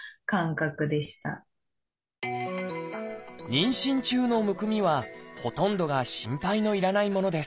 妊娠中のむくみはほとんどが心配の要らないものです。